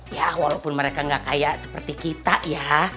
ya walaupun mereka gak kaya seperti kita ya